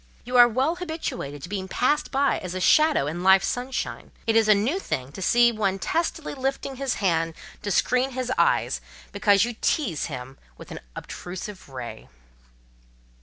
You are well habituated to be passed by as a shadow in Life's sunshine: it is a new thing to see one testily lifting his hand to screen his eyes, because you tease him with an obtrusive ray."